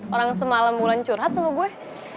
orang semalam bulan curhat sama gue